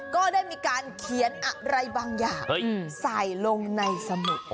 ก็ได้มีการเขียนอะไรบางอย่างใส่ลงในสมุด